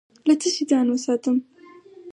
له څه شي ځان وساتم؟